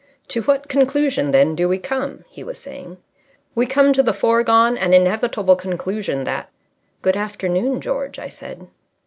"To what conclusion, then, do we come?" he was saying. "We come to the foregone and inevitable conclusion that...." "Good afternoon, George," I said.